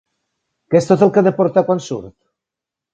Què és tot el que ha de portar quan surt?